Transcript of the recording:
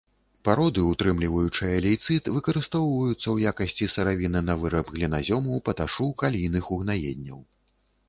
Пароды, утрымліваючыя лейцыт, выкарыстоўваюцца ў якасці сыравіны на выраб гліназёму, паташу, калійных угнаенняў.